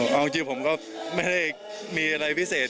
เอาจริงผมก็ไม่ได้มีอะไรพิเศษ